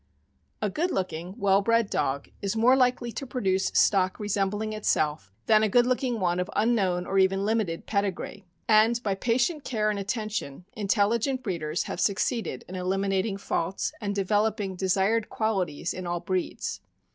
A good looking, well bred dog is more likely to produce stock resembling itself than a good looking one of " un known," or even limited, pedigree; and by patient care and attention intelligent breeders have succeeded in eliminating faults and developing desired qualities in all breeds.